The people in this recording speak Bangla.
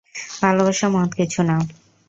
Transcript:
ভালোবাসা মহৎ কিছু না!